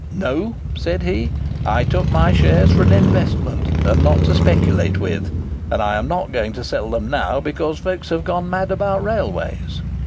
"No," said he; "I took my shares for an investment, and not to speculate with, and I am not going to sell them now because folks have gone mad about railways."